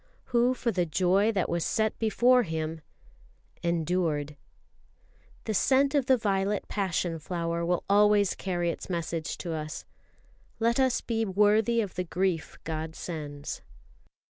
"Who for the joy that was set before Him ... endured." The scent of the violet passion flower will always carry its message to us. "Let us be worthy of the grief God sends."